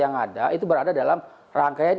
yang ada itu berada dalam rangkaian